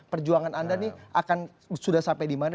perjuangan anda nih sudah sampai dimana